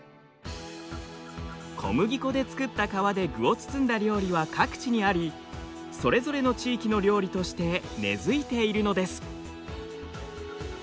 小麦粉で作った皮で具を包んだ料理は各地にありそれぞれの地域の料理として根づいているのです。